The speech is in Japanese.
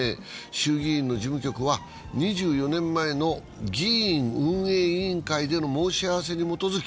衆議院の事務局は２４年前の議院運営委員会での申し合わせに基づき